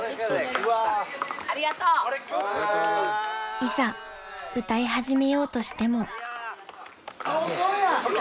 ［いざ歌い始めようとしても］